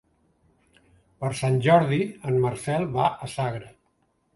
Per Sant Jordi en Marcel va a Sagra.